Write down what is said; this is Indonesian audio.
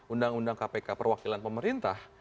undang undang kpk perwakilan pemerintah